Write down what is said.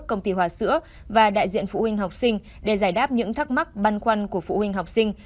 công ty hòa sữa và đại diện phụ huynh học sinh để giải đáp những thắc mắc băn khoăn của phụ huynh học sinh